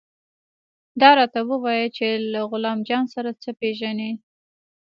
دا راته ووايه چې له غلام جان سره څه پېژنې.